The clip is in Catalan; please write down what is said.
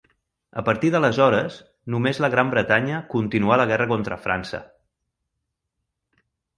A partir d'aleshores, només la Gran Bretanya continuà la guerra contra França.